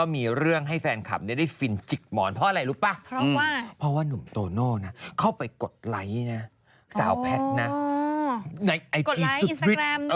พี่กิ้นที่ราช